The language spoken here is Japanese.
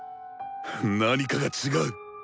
何かが違う。